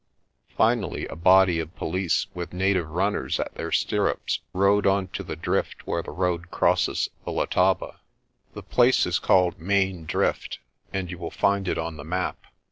Finally a body of police with native runners at their stirrups rode on to the drift where A MAN'S TRUST IN A HORSE 223 the road crosses the Letaba. The place is called Main Drift, and you will find it on the map.